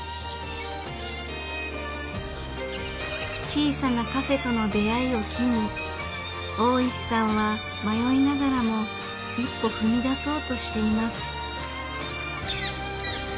小さなカフェとの出会いを機に大石さんは迷いながらも一歩踏み出そうとしています。